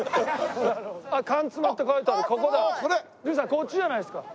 こっちじゃないですか？